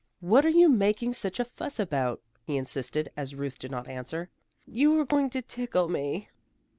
"What are you making such a fuss about?" he insisted, as Ruth did not answer. "You were going to tickle me."